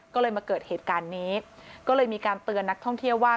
ก็เลยมาเกิดเหตุการณ์นี้ก็เลยมีการเตือนนักท่องเที่ยวว่า